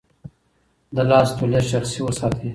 د لاس توليه شخصي وساتئ.